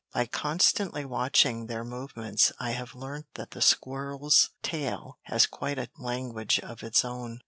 By constantly watching their movements I have learnt that the squirrel's tail has quite a language of its own.